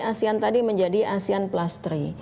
asean tadi menjadi asean plus tiga